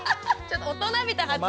ちょっと大人びた発言。